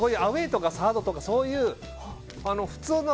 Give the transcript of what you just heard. アウェーとかサードとかそういう。